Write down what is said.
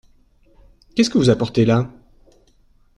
Qu’est-ce que vous apportez là ?